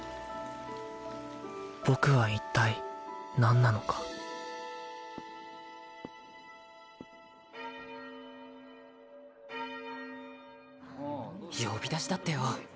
僕は一体何なのか呼び出しだってよ